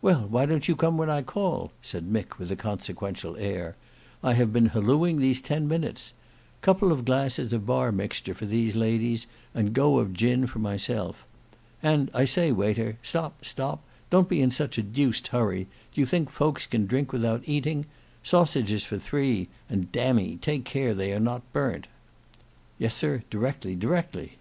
"Well, why don't you come when I call," said Mick with a consequential air. "I have been hallooing these ten minutes. Couple of glasses of bar mixture for these ladies and go of gin for myself. And I say waiter, stop, stop, don't be in such a deuced hurry; do you think folks can drink without eating;—sausages for three; and damme, take care they are not burnt." "Yes, sir, directly, directly."